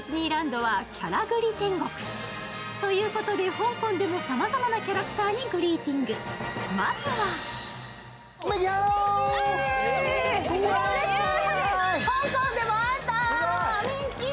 香港でもさまざまなキャラクターにグリーティング、まずは香港でも会えた、ミッキー！